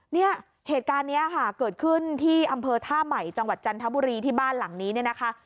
เนี่ยเหตุการณ์นี้ค่ะเกิดขึ้นที่อำเภอท่าใหม่จังหวัดจันทบุรีที่บ้านหลังนี้เนี่ยนะคะ